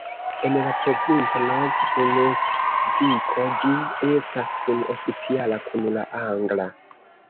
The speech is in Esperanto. En la provinco Nov-Brunsviko ĝi estas kun-oficiala kun la angla.